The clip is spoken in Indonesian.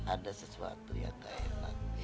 ada sesuatu yang gak enak